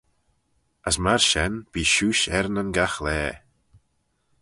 As myr shen bee shuish er nyn gaghlaa.